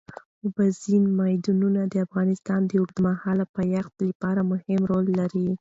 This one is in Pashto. اوبزین معدنونه د افغانستان د اوږدمهاله پایښت لپاره مهم رول لري.